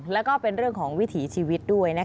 แล้วก็เป็นเรื่องของวิถีชีวิตด้วย